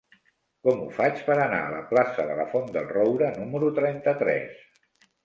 Com ho faig per anar a la plaça de la Font del Roure número trenta-tres?